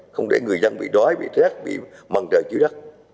không để người dân bị đói bị rác bị mặn trời chứa đất